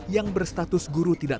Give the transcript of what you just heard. yang berstatus guru tidak